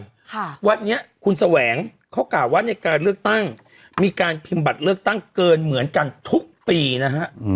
ค่ะวันนี้คุณแสวงเขากล่าวว่าในการเลือกตั้งมีการพิมพ์บัตรเลือกตั้งเกินเหมือนกันทุกปีนะฮะอืม